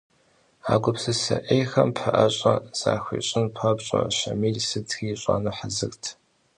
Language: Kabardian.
А гупсысэ Ӏейхэм пэӏэщӏэ захуищӏын папщӏэ Щамил сытри ищӏэну хьэзырт.